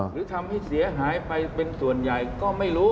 หรือทำให้เสียหายไปเป็นส่วนใหญ่ก็ไม่รู้